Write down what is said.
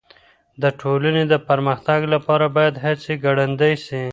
د ټولني د پرمختګ لپاره بايد هڅې ګړندۍ سي.